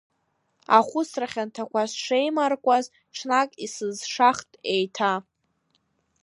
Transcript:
Ахәыцра хьанҭақәа сшеимаркуаз, ҽнак исызшахт еиҭа…